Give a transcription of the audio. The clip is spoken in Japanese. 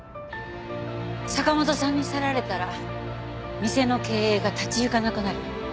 坂元さんに去られたら店の経営が立ち行かなくなる。